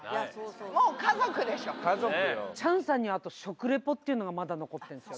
チャンさんにはあと食リポっていうのがまだ残ってるんですよ。